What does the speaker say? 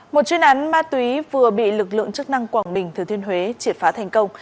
một chuyên án ma túy vừa bị lực lượng chức năng quảng bình thứ thiên huế triệt phá thành công